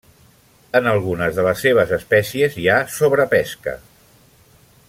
En algunes de les seves espècies hi ha sobrepesca.